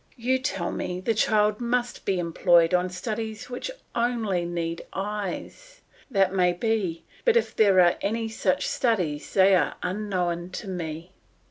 You tell me the child must be employed on studies which only need eyes. That may be; but if there are any such studies, they are unknown to me.